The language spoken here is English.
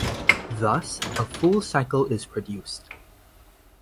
Thus, a full cycle is produced.